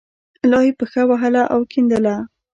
لا یې پښه وهله او یې کیندله.